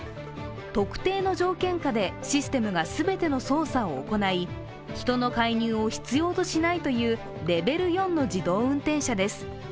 特定の条件下でシステムが全ての操作を行い、人の介入を必要としないというレベル４の自動運転車です。